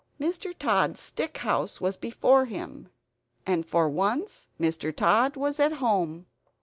Mr. Tod's stick house was before him; and, for once, Mr. Tod was at home.